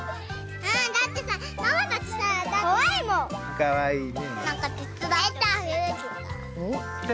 かわいいね。